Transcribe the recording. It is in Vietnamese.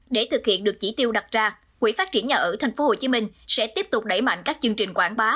để thực hiện được chỉ tiêu đặt ra quỹ phát triển nhà ở tp hcm sẽ tiếp tục đẩy mạnh các chương trình quảng bá